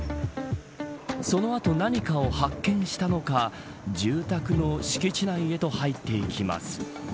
その後、何かを発見したのか住宅の敷地内へと入っていきます。